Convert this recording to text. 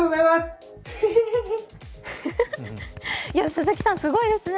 鈴木さん、すごいですね。